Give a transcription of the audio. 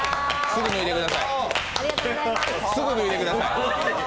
すぐ脱いでください。